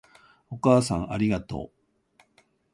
お母さんありがとう